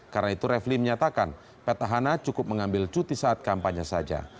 karena itu refli menyatakan petahana cukup mengambil cuti saat kampanye saja